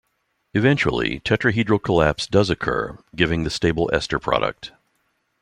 Eventually tetrahedral collapse does occur, giving the stable ester product.